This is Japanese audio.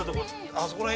あそこら辺。